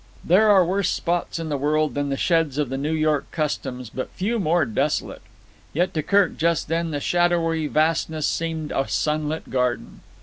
There are worse spots in the world than the sheds of the New York customs, but few more desolate; yet to Kirk just then the shadowy vastness seemed a sunlit garden.